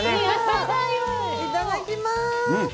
いただきます。